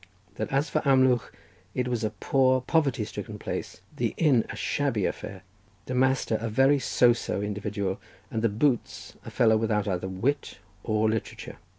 That as for Amlwch, it was a poor poverty stricken place; the inn a shabby affair, the master a very so so individual, and the boots a fellow without either wit or literature.